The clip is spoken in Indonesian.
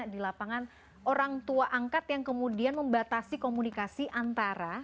di lapangan orang tua angkat yang kemudian membatasi komunikasi antara